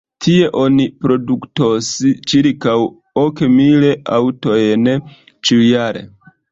Tie oni produktos ĉirkaŭ ok mil aŭtojn ĉiujare.